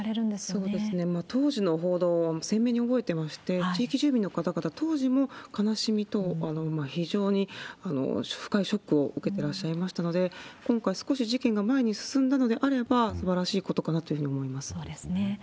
そうですね、当時の報道は鮮明に覚えてまして、地域住民の方々、当時も悲しみと、非常に深いショックを受けてらっしゃいましたので、今回、少し事件が前に進んだのであれば、すばらしいことかなというふうにそうですね。